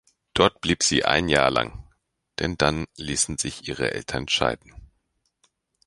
Dort blieb sie ein Jahr lang, denn dann ließen sich ihre Eltern scheiden.